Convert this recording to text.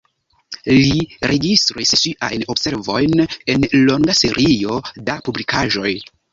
Li registris siajn observojn en longa serio da publikaĵoj.